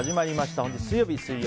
始まりました。